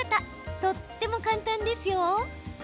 とっても簡単ですよ。